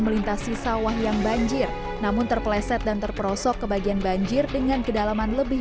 melintasi sawah yang banjir namun terpeleset dan terperosok ke bagian banjir dengan kedalaman lebih